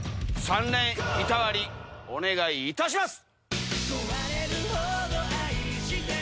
３連板割りお願いいたします。